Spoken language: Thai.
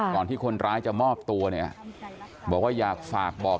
ก่อนที่คนร้ายจะมอบตัวเนี่ยบอกว่าอยากฝากบอก